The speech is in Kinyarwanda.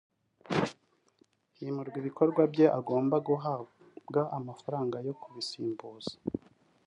himurwa ibikorwa bye agomba guhabwa amafaranga yo kubisimbuza